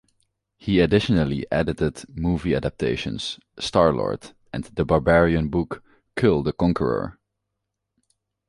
He additionally edited movie adaptations, "Star-Lord", and the barbarian book "Kull the Conqueror".